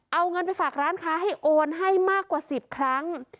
เอาเงินไปฝากร้านค้าให้โอนให้มากกว่า๑๐ครั้ง